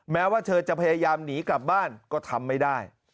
แม้ว่าเธอจะพยายามหนีกลับบ้านก็ทำไม่ได้